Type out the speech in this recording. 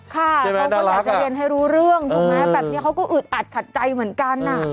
เขาก็อยากจะเรียนให้รู้เรื่องถูกไหมแบบนี้เขาก็อึดอัดขัดใจเหมือนกัน